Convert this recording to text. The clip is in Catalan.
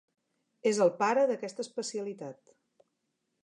És el pare d'aquesta especialitat.